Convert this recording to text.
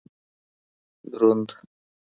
دروند